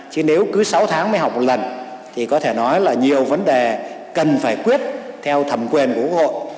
chứ nếu cứ sáu tháng mới học một lần thì có thể nói là nhiều vấn đề cần phải quyết theo thẩm quyền của quốc hội